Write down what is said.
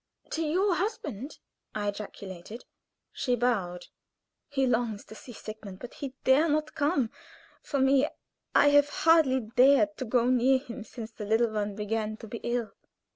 "To your husband!" I ejaculated. She bowed. "He longs to see Sigmund, but dare not come. For me, I have hardly dared to go near him since the little one began to be ill.